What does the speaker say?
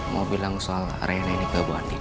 mau bilang soal arena ini ke bu andien